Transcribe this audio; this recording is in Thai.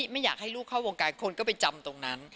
ไม่อยากให้ลูกเข้าวงการคนก็ไปจำตรงนั้น